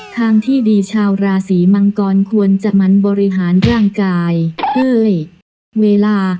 ทางที่ดีชาวราศีมังกรควรจะมันบริหารร่างกายเอ้ยเวลา